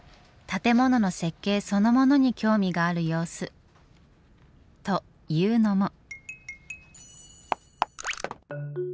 建物の設計そのものに興味がある様子。というのも。